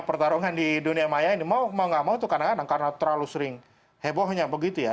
pertarungan di dunia maya ini mau gak mau itu kadang kadang karena terlalu sering hebohnya begitu ya